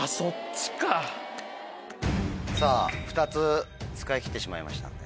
さぁ２つ使い切ってしまいましたんで。